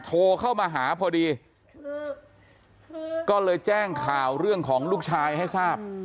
โทรเข้ามาหาพอดีก็เลยแจ้งข่าวเรื่องของลูกชายให้ทราบ